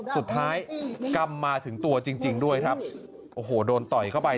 กรรมมาถึงตัวจริงจริงด้วยครับโอ้โหโดนต่อยเข้าไป